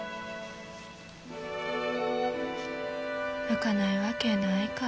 泣かないわけないか。